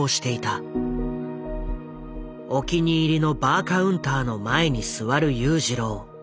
お気に入りのバーカウンターの前に座る裕次郎。